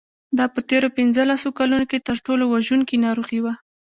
دا په تېرو پنځلسو کلونو کې تر ټولو وژونکې ناروغي وه.